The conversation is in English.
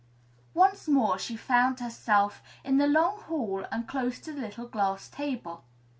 Once more she found herself in the long hall and close to the little glass table.